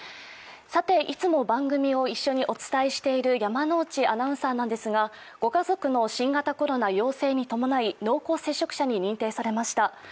いつも番組を一緒にお伝えしている山内アナウンサーなんですが、ご家族の新型コロナ陽性に伴い濃厚接触者に認定されました。